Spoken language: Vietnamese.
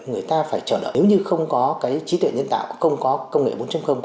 người ta phải chờ đợi nếu như không có cái trí tuệ nhân tạo không có công nghệ bốn